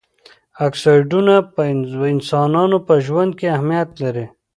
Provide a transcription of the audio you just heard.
اکسایډونه په انسانانو په ژوند کې اهمیت لري.